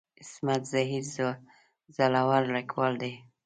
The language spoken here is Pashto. عصمت زهیر زړور ليکوال دی.